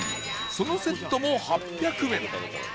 そのセットも８００円